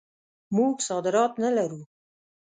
موږ صادرات نه لرو.